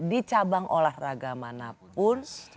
di cabang olahraga manapun